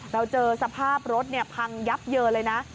เราเจอสภาพรถพังยับเยินเลยนะ